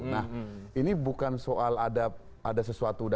nah ini bukan soal ada sesuatu